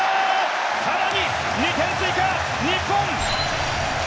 更に２点追加！日本。